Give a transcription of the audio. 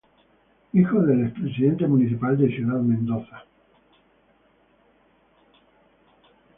Hijo del expresidente Municipal de Ciudad Mendoza, Ver.